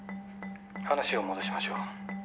「話を戻しましょう。